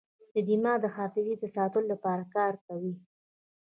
دماغ د حافظې د ساتلو لپاره کار کوي.